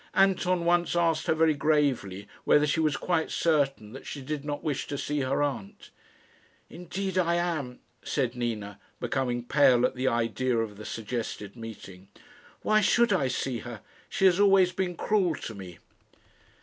Anton once asked her very gravely whether she was quite certain that she did not wish to see her aunt. "Indeed, I am," said Nina, becoming pale at the idea of the suggested meeting. "Why should I see her? She has always been cruel to me."